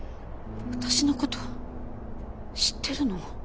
私のこと知ってるの？